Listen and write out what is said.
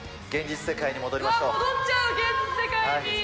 戻っちゃう、現実世界に。